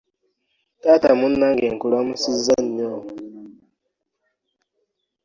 Taata munange nkulamusiza nnyo.